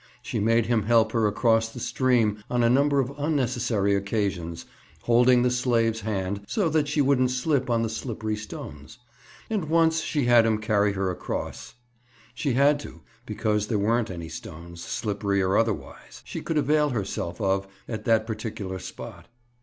She made him help her across the stream on a number of unnecessary occasions, holding the slave's hand, so that she wouldn't slip on the slippery stones. And once she had him carry her across. She had to, because there weren't any stones, slippery or otherwise, she could avail herself of, at that particular spot.